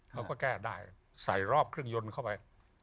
เขาก็แก้ได้ใส่รอบเครื่องยนต์เข้าไป